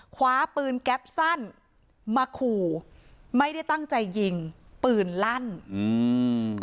คว้าปืนแก๊ปสั้นมาขู่ไม่ได้ตั้งใจยิงปืนลั่นอืม